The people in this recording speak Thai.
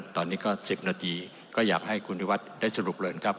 ตอนนี้ก็๑๐นาทีก็อยากให้คุณวิวัตรได้สรุปเลยนะครับ